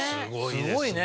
すごいね！